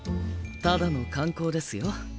ただの観光ですよ。